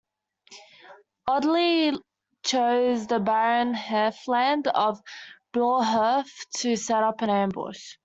Audley chose the barren heathland of Blore Heath to set up an ambush.